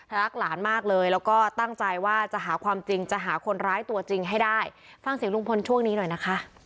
รักหลานมากเลยแล้วก็ตั้งใจว่าจะหาความจริงจะหาคนร้ายตัวจริงให้ได้ฟังเสียงลุงพลช่วงนี้หน่อยนะคะ